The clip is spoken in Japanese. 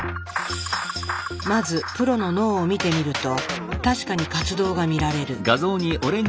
まずプロの脳を見てみると確かに活動が見られる。